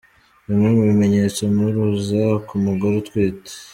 Bimwe mu bimenyetso mpuruza ku mugore utwite.